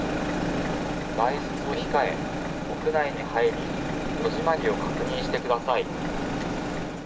外出を控え、屋内に入り、戸締りを確認してください。